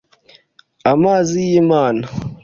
amazi y’ imana